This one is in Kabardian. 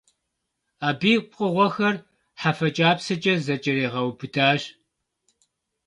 Абы и пкъыгъуэхэр хьэфэ кIапсэкIэ зэкIэрегъэубыдащ.